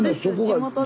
地元で。